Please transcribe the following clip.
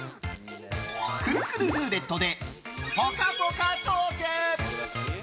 くるくるルーレットでぽかぽかトーク。